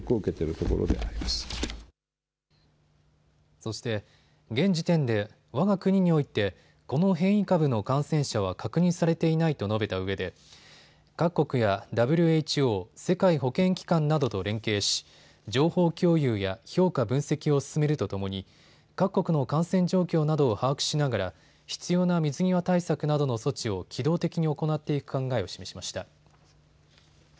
そして、現時点でわが国においてこの変異株の感染者は確認されていないと述べたうえで各国やＷＨＯ・世界保健機関などと連携し、情報共有や評価、分析を進めるとともに各国の感染状況などを把握しながら必要な水際対策などの措置を機動的に行っていく考えを示しました。